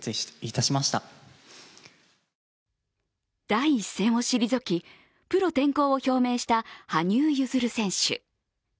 第一線を退き、プロ転向を表明した羽生結弦選手。